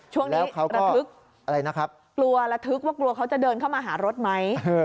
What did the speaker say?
ช่วงนี้กลัวระทึกว่ากลัวเขาจะเดินเข้ามาหารถไหม